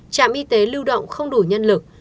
trạm y tế lưu động không đủ nhân lực